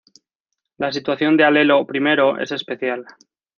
La situación de alelo I es especial.